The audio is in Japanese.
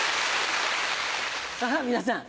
さぁ皆さん